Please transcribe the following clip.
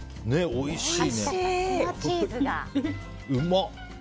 おいしい！